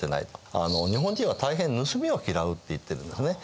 あの「日本人はたいへん盗みを嫌う」って言ってるんですね。